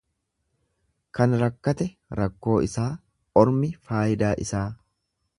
Kan rakkate rakkoo isaa ormi faayidaa isaa.